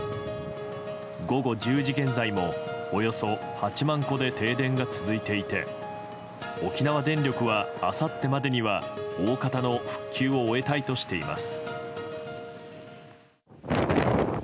午後１０時現在もおよそ８万戸で停電が続いていて沖縄電力は、あさってまでには大方の復旧を終えたいとしています。